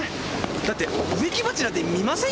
だって植木鉢なんて見ませんよ